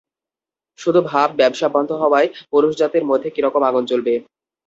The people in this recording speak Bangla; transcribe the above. শুধু ভাব, ব্যবসা বন্ধ হওয়ায় পুরুষজাতির মধ্যে কিরকম আগুন জ্বলবে!